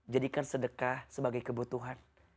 jadikan sedekah sebagai kebutuhan